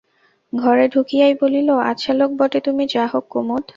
ঘরে ঢুকিয়াই বলিল, আচ্ছা লোক বটে তুমি যা হোক কুমুদ!